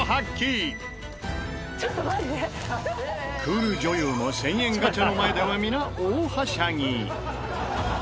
クール女優も１０００円ガチャの前では皆大はしゃぎ。